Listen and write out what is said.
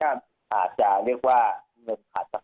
อาจจะเรียกว่าเงินขาดสเบา